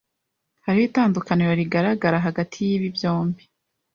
Hariho itandukaniro rigaragara hagati yibi byombi.